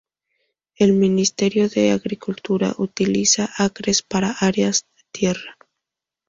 El Ministerio de Agricultura utiliza acres para áreas de tierra.